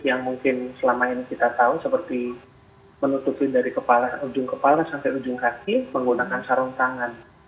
yang mungkin selama ini kita tahu seperti menutupi dari kepala ujung kepala sampai ujung kaki menggunakan sarung tangan